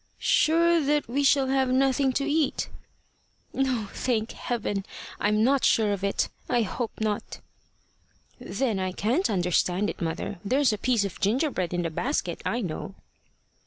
"Sure that we shall have nothing to eat." "No, thank Heaven! I'm not sure of it. I hope not." "Then I can't understand it, mother. There's a piece of gingerbread in the basket, I know."